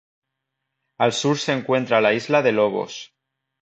Al sur se encuentra la "isla de Lobos".